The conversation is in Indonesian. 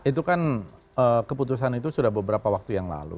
itu kan keputusan itu sudah beberapa waktu yang lalu